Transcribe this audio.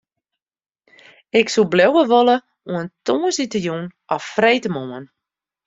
Ik soe bliuwe wolle oant tongersdeitejûn of freedtemoarn.